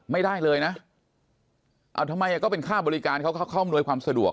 ไม่ได้เลยนะเอาทำไมก็เป็นค่าบริการเขาก็เข้าอำนวยความสะดวก